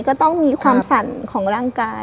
ก็ต้องมีความสั่นของร่างกาย